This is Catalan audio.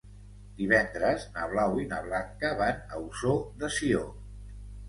Divendres na Blau i na Blanca van a Ossó de Sió.